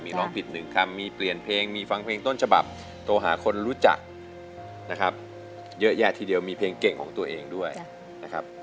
มีร้องผิดหนึ่งคำมีเปลี่ยนเพลงมีฟังเพลงต้นฉบับโทรหาคนรู้จักนะครับเยอะแยะทีเดียวมีเพลงเก่งของตัวเองด้วยนะครับ